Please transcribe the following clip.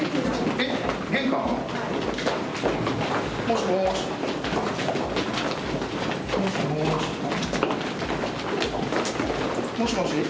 もしもし？え？